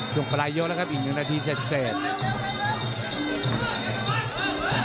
ช่วงปลายยกแล้วครับอีกหนึ่งนาทีเสร็จ